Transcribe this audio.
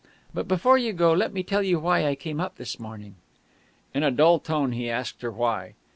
But before you go let me tell you why I came up this morning." In a dull tone he asked her why.